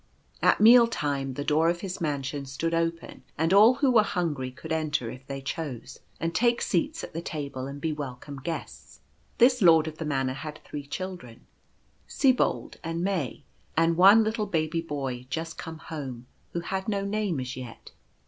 At meal time the door of his mansion stood open ; and all who were hungry could enter if they chose, and take seats at the table, and be welcome guests. This Lord of the Manor had three children, Sibold and May, and one little Baby Boy just come home who had no name as yet.